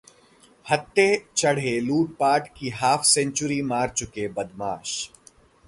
हत्थे चढ़े लूटपाट की हाफ सेंचुरी मार चुके बदमाश